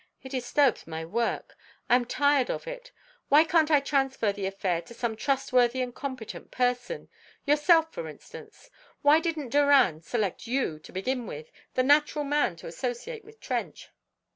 It disturbs my work; I am tired of it. Why can't I transfer the affair to some trustworthy and competent person; yourself, for instance? Why didn't Doran select you, to begin with the natural man to associate with Trench?"